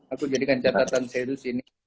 aku jadikan catatan serius ini